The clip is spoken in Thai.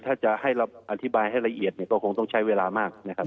ถ้าจะให้อธิบายให้ละเอียดเนี่ยก็คงต้องใช้เวลามากนะครับ